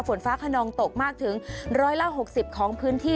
ฝนฟ้าขนองตกมากถึง๑๖๐ของพื้นที่